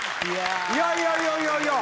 いやいやいやいや！